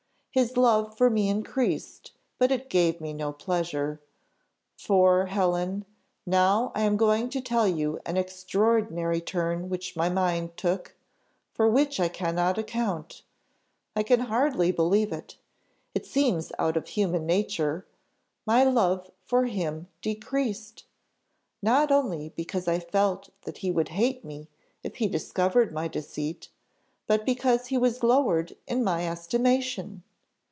His love for me increased, but it gave me no pleasure: for, Helen, now I am going to tell you an extraordinary turn which my mind took, for which I cannot account I can hardly believe it it seems out of human nature my love for him decreased! not only because I felt that he would hate me if he discovered my deceit, but because he was lowered in my estimation!